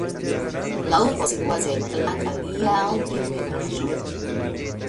La urbo situas en la Latgalia altebenaĵo.